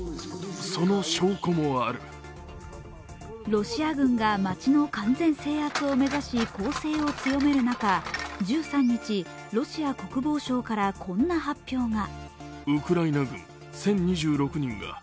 ロシア軍が街の完全制圧を目指し、攻勢を強める中、１３日、ロシア国防省からこんな発表が。